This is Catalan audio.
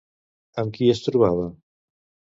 Amb qui es trobava?